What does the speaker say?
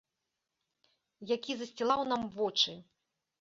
Які засцілаў нам вочы.